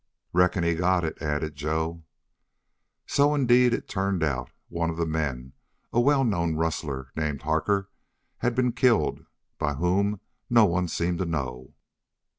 "Reckon he got it," added Joe. So indeed it turned out; one of the men, a well known rustler named Harker, had been killed, by whom no one seemed to know.